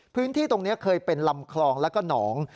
พื้นที่ตรงนี้เคยเป็นลำคลองแล้วก็หนอง